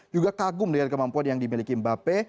juga kagum dengan kemampuan yang dimiliki mbappe